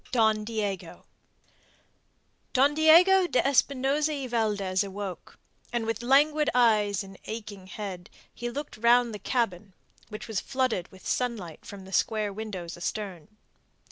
DON DIEGO Don Diego de Espinosa y Valdez awoke, and with languid eyes in aching head, he looked round the cabin, which was flooded with sunlight from the square windows astern.